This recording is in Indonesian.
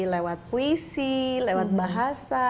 lewat puisi lewat bahasa